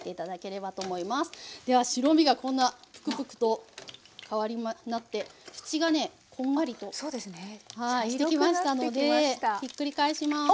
では白身がこんなプクプクとなって縁がねこんがりとしてきましたのでひっくり返します。